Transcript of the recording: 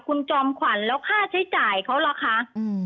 คุณจอมขวัญแล้วค่าใช้จ่ายเขาล่ะคะ